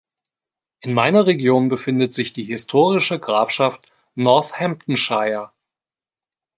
In meiner Region befindet sich die historische Grafschaft Northamptonshire.